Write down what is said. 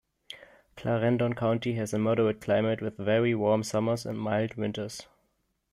Clarendon County has a moderate climate with very warm summers and mild winters.